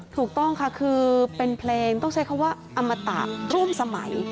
ถูกต้องค่ะคือเป็นเพลงต้องใช้คำว่าอมตะร่วมสมัย